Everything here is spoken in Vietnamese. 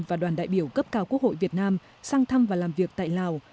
và đoàn đại biểu cấp cao quốc hội việt nam sang thăm và làm việc tại lào